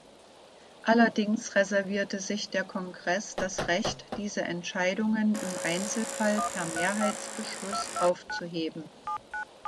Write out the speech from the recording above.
Allerdings reservierte sich der Kongress das Recht, diese Entscheidungen im Einzelfall per Mehrheitsbeschluss aufzuheben.